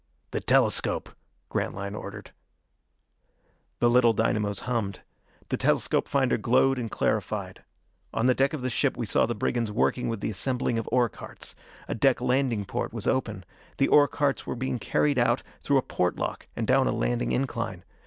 "The telescope," Grantline ordered. The little dynamos hummed. The telescope finder glowed and clarified. On the deck of the ship we saw the brigands working with the assembling of ore carts. A deck landing porte was open. The ore carts were being carried out through a porte lock and down a landing incline.